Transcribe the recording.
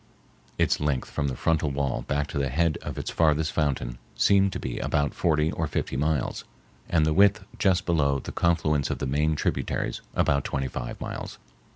Its length from the frontal wall back to the head of its farthest fountain seemed to be about forty or fifty miles, and the width just below the confluence of the main tributaries about twenty five miles.